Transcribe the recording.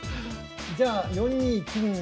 じゃあ４二金右で。